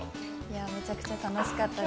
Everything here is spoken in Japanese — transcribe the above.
めちゃくちゃ楽しかったです。